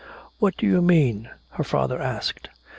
"What do you mean?" her father asked.